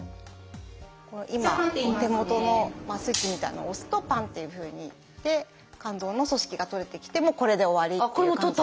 今この手元のまあスイッチみたいなのを押すとパンッていうふうにいって肝臓の組織が採れてきてもうこれで終わりっていう感じです。